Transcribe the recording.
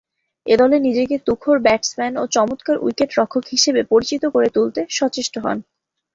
এ দলে নিজেকে তুখোড় ব্যাটসম্যান ও চমৎকার উইকেট-রক্ষক হিসেবে পরিচিত করতে তুলতে সচেষ্ট হন।